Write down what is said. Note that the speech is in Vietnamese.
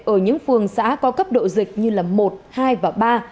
ở những phường xã có cấp độ dịch như một hai và ba